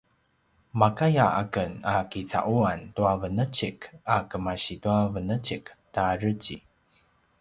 makaya aken a kica’uan tua venecik a kemasi tua venecik ta dreci